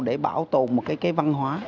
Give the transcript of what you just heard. để bảo tồn một cái văn hóa